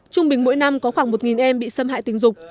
trung bình mỗi năm có khoảng một em bị xâm hại tình dục